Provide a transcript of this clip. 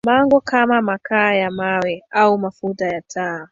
mango km makaa ya mawe au mafuta ya taa